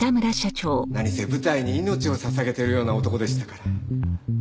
何せ舞台に命を捧げてるような男でしたから。